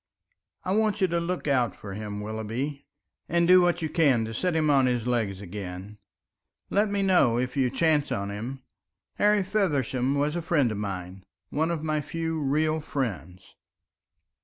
I want you to look out for him, Willoughby, and do what you can to set him on his legs again. Let me know if you chance on him. Harry Feversham was a friend of mine one of my few real friends."